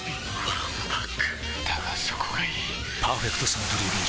わんぱくだがそこがいい「パーフェクトサントリービール糖質ゼロ」